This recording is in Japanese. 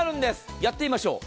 やってみましょう。